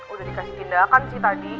udah dikasih tindakan sih tadi